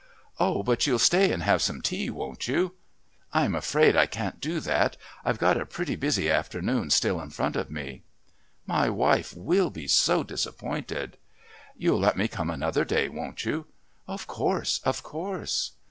"Oh, but you'll stay and have some tea, won't you?" "I'm afraid I can't do that. I've got a pretty busy afternoon still in front of me." "My wife will be so disappointed." "You'll let me come another day, won't you?" "Of course. Of course."